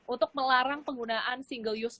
untuk melarang penggunaan single use